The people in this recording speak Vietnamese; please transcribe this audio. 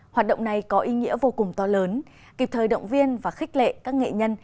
hoạt động này có ý nghĩa vô cùng to lớn kịp thời động viên và khích lệ các nghệ nhân